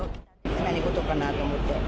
何事かなと思って。